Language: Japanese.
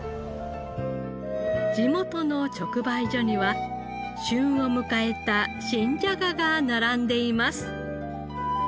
地元の直売所には旬を迎えた新じゃがが並んでいます。